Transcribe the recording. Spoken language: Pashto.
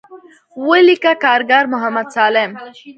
وليکه کارګر محمد سالم.